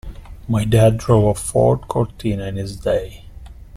My dad drove a Ford Cortina in his day.